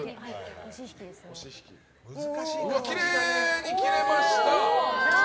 きれいに切れました！